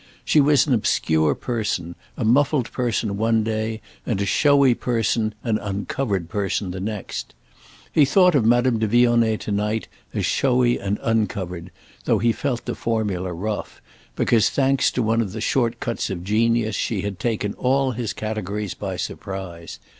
She was an obscure person, a muffled person one day, and a showy person, an uncovered person the next. He thought of Madame de Vionnet to night as showy and uncovered, though he felt the formula rough, because, thanks to one of the short cuts of genius she had taken all his categories by surprise.